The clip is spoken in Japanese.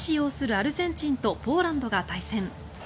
アルゼンチンとポーランドが対戦。